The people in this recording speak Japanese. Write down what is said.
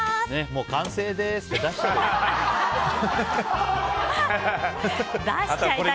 もう完成ですって出しちゃえば。